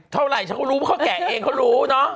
เท่าไหร่ฉันก็รู้เพราะเขาแกะเองเขารู้เนอะ